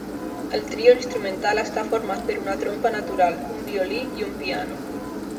El trio instrumental està format per una trompa natural, un violí i un piano.